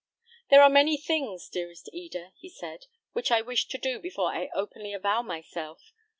"There are many things, dearest Eda," he said, "which I wish to do before I openly avow myself.